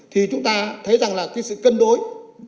thì chúng ta thấy rằng là cái sự cân đối